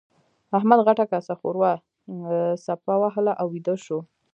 احمد غټه کاسه ښوروا څپه وهله او ويده شو.